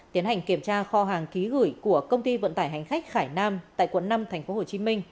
tiến hành kiểm tra kho hàng ký gửi của công ty vận tải hành khách khải nam tại quận năm tp hcm